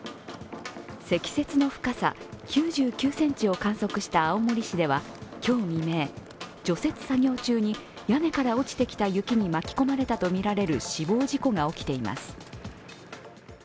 積雪の深さ９９ｃｍを観測した青森市では今日未明、除雪作業中に屋根から落ちてきた雪に巻き込まれたとみられる死亡事故が起きています。